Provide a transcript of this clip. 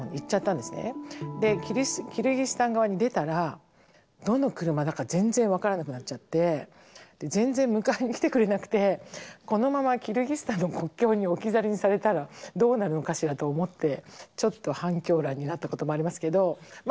キルギスタン側に出たらどの車だか全然分からなくなっちゃって全然迎えに来てくれなくてこのままキルギスタンの国境に置き去りにされたらどうなるのかしらと思ってちょっと半狂乱になったこともありますけどま